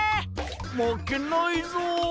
まけないぞう！